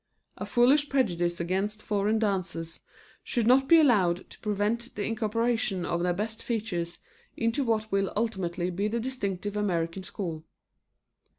A foolish prejudice against foreign dances should not be allowed to prevent the incorporation of their best features into what will ultimately be the distinctive American school.